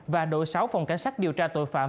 và đội sáu phòng cảnh sát điều tra tội phạm